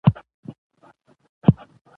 شېخ بُستان بړیځ د محمد کرم زوی دﺉ.